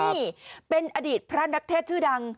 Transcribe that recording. นี่เป็นอดีตพระนักเทศชื่อดัง